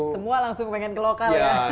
semua langsung pengen ke lokal ya